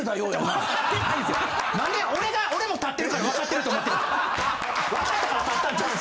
なんで俺も立ってるからわかってると思ってるん。